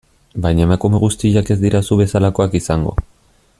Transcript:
Baina emakume guztiak ez dira zu bezalakoak izango...